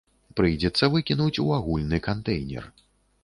Прыйдзецца выкінуць у агульны кантэйнер.